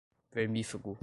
vermífugo